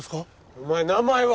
お前名前は？